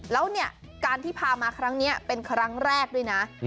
แล้วเนี่ยการที่พามาครั้งนี้เป็นครั้งแรกด้วยนะ